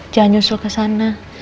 jangan nyusul ke sana